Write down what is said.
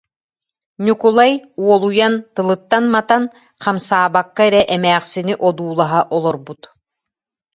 Ньукулай уолуйан, тылыттан матан, хамсаабакка эрэ эмээхсини одуулаһа олорбут